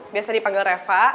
biasa dipanggil reva